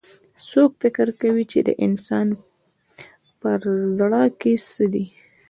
څوک فکر کوي چې د انسان پهزړه کي څه دي